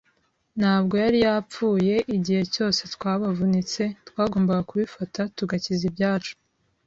ntabwo yari yapfuye. Igihe cyose twabavunitse, twagombaga kubifata, tugakiza ibyacu